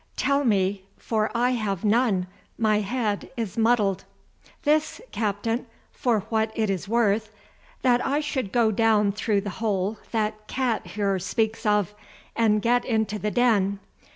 "Tell me, for I have none; my head is muddled." "This, Captain, for what it is worth; that I should go down through the hole that Cat here speaks of, and get into the den.